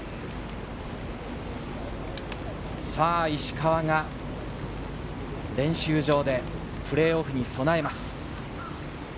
さぁ石川が、練習場でプレーオフに備えます。